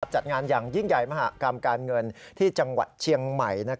จัดงานอย่างยิ่งใหญ่มหากรรมการเงินที่จังหวัดเชียงใหม่